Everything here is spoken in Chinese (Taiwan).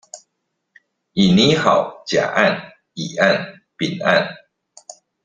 已擬好甲案乙案丙案